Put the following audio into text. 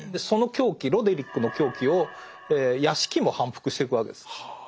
その狂気ロデリックの狂気を屋敷も反復してくわけです。は。